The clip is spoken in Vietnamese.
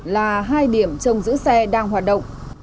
là hai điểm trông giữ xe đang hoạt động